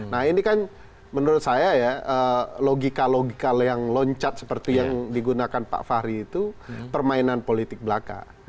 nah ini kan menurut saya ya logika logika yang loncat seperti yang digunakan pak fahri itu permainan politik belaka